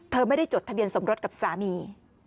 เธอไม่ได้จดทะเบียนสมรสกับสามี